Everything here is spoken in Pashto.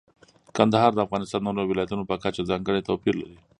کندهار د افغانستان د نورو ولایاتو په کچه ځانګړی توپیر لري.